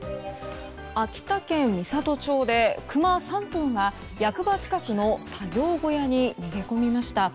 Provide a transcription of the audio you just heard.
秋田県美郷町でクマ３頭が役場近くの作業小屋に逃げ込みました。